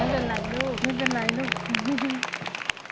ไม่เป็นไรลุ้น